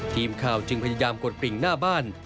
ทีมข่าวจึงพยายามกดปริงหน้าบ้าน